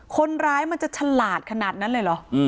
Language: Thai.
คนร้ายมันจะฉลาดขนาดนั้นเลยเหรอ